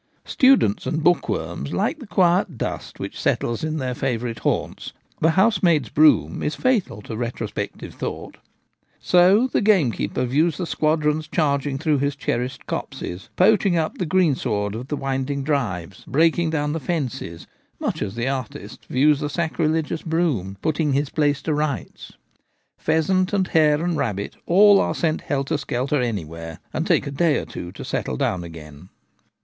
Students and bookworms like the quiet dust which settles in their favourite haunts — the house maid's broom is fatal to retrospective thought : so the gamekeeper views the squadrons charging through his cherished copses, ' poaching ' up the greensward of the winding ' drives/ breaking down the fences, much as the artist views the sacrilegious broom ' put The ' Residuum ' goes Fox hunting. 49 ting his place to rights.' Pheasant, and hare, and rabbit all are sent helter skelter anywhere, and take a day or two to settle down again.